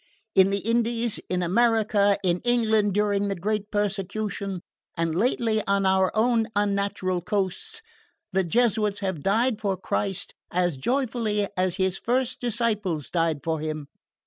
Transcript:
In the Indies, in America, in England during the great persecution, and lately on our own unnatural coasts, the Jesuits have died for Christ as joyfully as His first disciples died for Him.